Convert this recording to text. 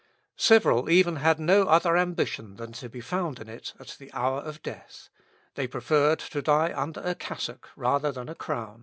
Several even had no other ambition than to be found in it at the hour of death. They preferred to die under a cassock rather than a crown.